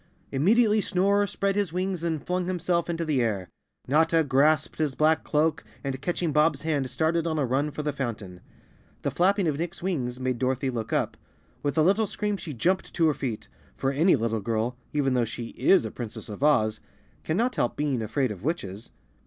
Immediately Snorer spread his wings and flung him¬ self into the air. Notta grasped his black cloak and catching Bob's hand started on a run for the fountain. 242 Chapter Eighteen The flapping of Nick's wings made Dorothy look up. With a little scream she jumped to her feet, for any little girl, even though she is a Princess of Oz, cannot help being afraid of witches.